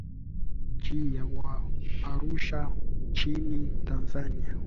Kusini Magharibi mwa mji wa Arusha nchini Tanzania